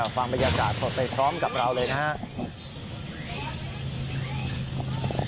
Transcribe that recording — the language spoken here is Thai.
ฟังบรรยากาศสดไปพร้อมกับเราเลยนะครับ